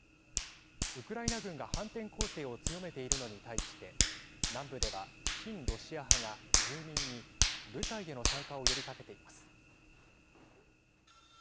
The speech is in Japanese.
ウクライナ軍が反転攻勢を強めているのに対して南部では、親ロシア派が住民に部隊への参加を呼びかけています。